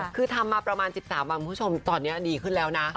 คือทำมาประมาณ๑๓วันคุณผู้ชมตอนนี้ดีขึ้นแล้วนะ